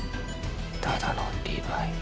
ただのリヴァイ。